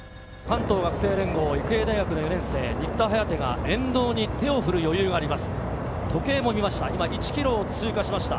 関東学生連合の育英高校４年の新田颯が沿道に手を振る余裕があります。